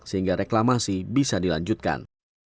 sehingga reklamasi bisa dilanjutkan